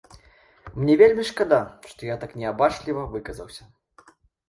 Мне вельмі шкада, што я так неабачліва выказаўся.